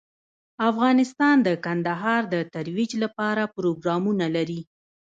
افغانستان د کندهار د ترویج لپاره پروګرامونه لري.